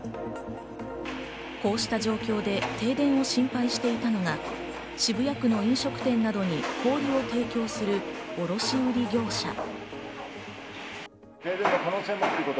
こうした状況で停電を心配していたのが渋谷区の飲食店などに氷を提供する卸売業者。